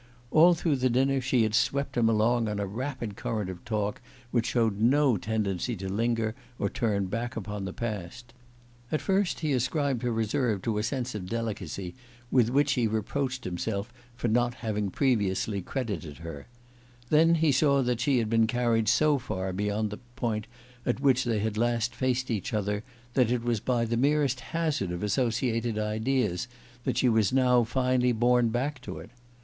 All through the dinner she had swept him along on a rapid current of talk which showed no tendency to linger or turn back upon the past. At first he ascribed her reserve to a sense of delicacy with which he reproached himself for not having previously credited her; then he saw that she had been carried so far beyond the point at which they had last faced each other, that it was by the merest hazard of associated ideas that she was now finally borne back to it.